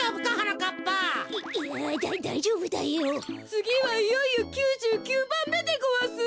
つぎはいよいよ９９ばんめでごわす。